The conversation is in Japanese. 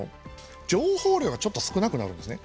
情報量がちょっと少なくなるんですね。